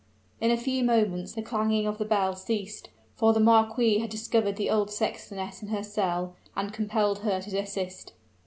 In a few moments the clanging of the bell ceased, for the marquis had discovered the old sextoness in her cell, and compelled her to desist.